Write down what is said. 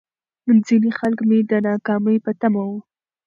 ځيني خلک مې د ناکامۍ په تمه وو.